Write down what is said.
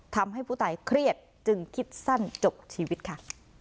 ทำให้ผู้ตายเครียดจึงคิดสั้นจบชีวิตค่ะ